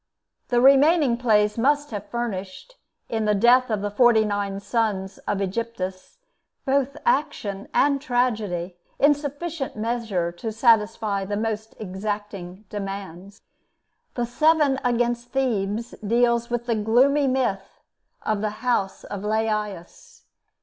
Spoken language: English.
The remaining plays must have furnished, in the death of forty nine of the sons of Aegyptus, both action and tragedy in sufficient measure to satisfy the most exacting demands. The 'Seven Against Thebes' deals with the gloomy myth of the house of Laïus.